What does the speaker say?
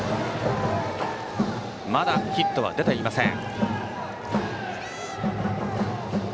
まだヒットは出ていません。